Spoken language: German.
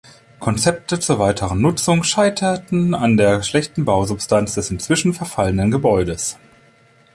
Konzepte zur weiteren Nutzung scheiterten an der schlechten Bausubstanz des inzwischen verfallenden Gebäudes.